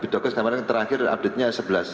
terakhir update nya sebelas